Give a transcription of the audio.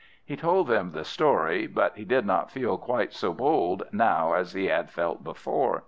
He told them the story, but he did not feel quite so bold now as he had felt before.